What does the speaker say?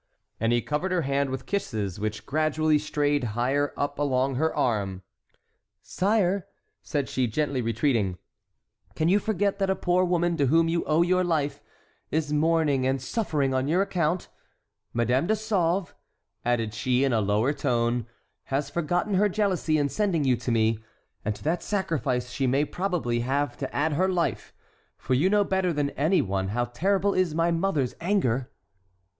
And he covered her hand with kisses which gradually strayed higher up along her arm. "Sire," said she, gently retreating, "can you forget that a poor woman to whom you owe your life is mourning and suffering on your account? Madame de Sauve," added she, in a lower tone, "has forgotten her jealousy in sending you to me; and to that sacrifice she may probably have to add her life, for you know better than any one how terrible is my mother's anger!"